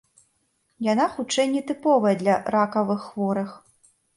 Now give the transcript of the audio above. Яна хутчэй не тыповая для ракавых хворых.